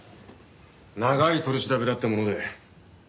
長い取り調べだったもので。